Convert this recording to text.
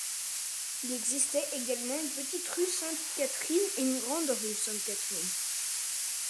Il existait également une petite rue Sainte-Catherine et une grande rue Sainte-Catherine.